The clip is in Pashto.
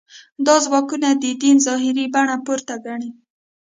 دا ځواکونه د دین ظاهري بڼه پورته ګڼي.